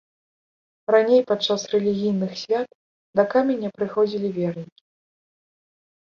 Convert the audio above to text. Раней падчас рэлігійных свят да каменя прыходзілі вернікі.